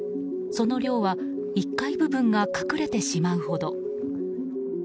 その量は１階部分が隠れてしまうほど。